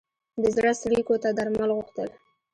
د زړه څړیکو ته درمل غوښتل.